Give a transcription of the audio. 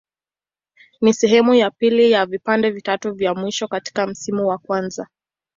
Ni sehemu ya pili ya vipande vitatu vya mwisho katika msimu wa kwanza.